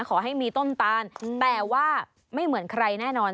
ขอให้มีต้มตาลแต่ว่าไม่เหมือนใครแน่นอน